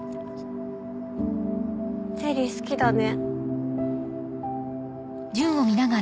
ゼリー好きだね。